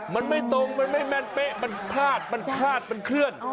มันไม่ตรงมันไม่แม่นเป๊ะมันพลาดมันพลาดมันเคลื่อน